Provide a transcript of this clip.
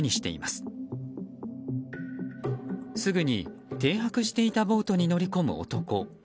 すぐに停泊していたボートに乗り込む男。